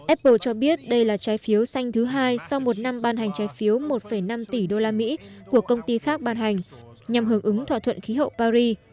apple cho biết đây là trái phiếu xanh thứ hai sau một năm ban hành trái phiếu một năm tỷ đô la mỹ của công ty khác ban hành nhằm hưởng ứng thỏa thuận khí hậu paris